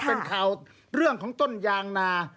เป็นข่าวเรื่องของต้นยางนา